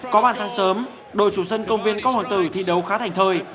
có bàn thang sớm đội chủ sân công viên có hoàn tử thi đấu khá thành thời